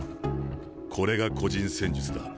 これが個人戦術だ。